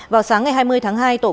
vào sáng ngày hai mươi tháng hai tổ công